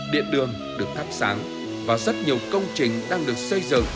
điện đường được thắp sáng và rất nhiều công trình đang được xây dựng